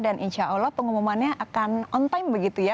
dan insya allah pengumumannya akan on time begitu ya